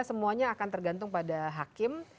semuanya akan tergantung pada hakim